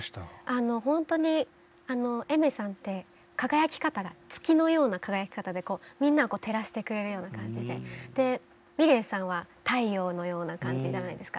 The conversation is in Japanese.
あのほんとにＡｉｍｅｒさんって輝き方が月のような輝き方でみんなをこう照らしてくれるような感じでｍｉｌｅｔさんは太陽のような感じじゃないですか。